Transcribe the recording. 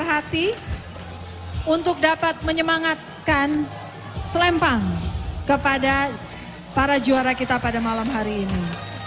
hati untuk dapat menyemangatkan selempang kepada para juara kita pada malam hari ini